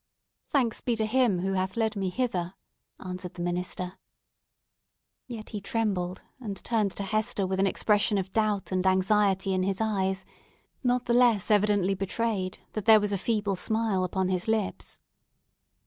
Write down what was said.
"Thanks be to Him who hath led me hither!" answered the minister. Yet he trembled, and turned to Hester, with an expression of doubt and anxiety in his eyes, not the less evidently betrayed, that there was a feeble smile upon his lips.